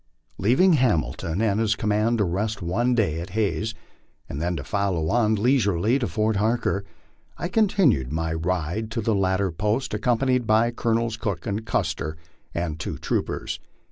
Leaving Hamilton and his command to rest one day at Hays and then to follow on leisurely to Fort Harker, I continued my ride to the latter post, accompanied by Colonels Cook and Custer and two troopers.